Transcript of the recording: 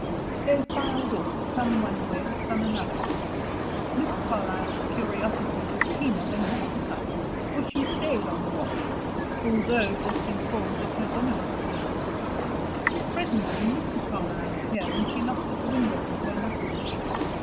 They filed off, some one way, some another. Miss Carlyle's curiosity was keener than her appetite, for she stayed on the watch, although just informed that her dinner was served. Presently Mr. Carlyle appeared and she knocked at the window with her knuckles.